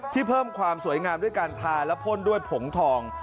เพิ่มความสวยงามด้วยการทาและพ่นด้วยผงทอง